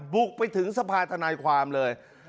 บุกไปถึงสภาษณภาษณภาคความเลย